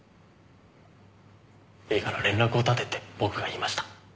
いいから連絡を絶てって僕が言いました。